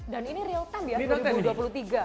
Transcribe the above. dan ini real time ya